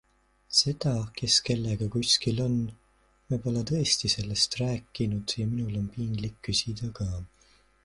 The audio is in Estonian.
Seda, kes kellega kuskil on - me pole tõesti sellest rääkinud ja minul on piinlik küsida ka.